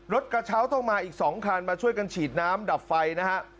รถกระเช้าต้องมาอีก๒คันมาช่วยกันฉีดน้ำดับไฟนะฮะ